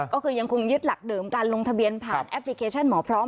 ก็คือยังคงยึดหลักเดิมการลงทะเบียนผ่านแอปพลิเคชันหมอพร้อม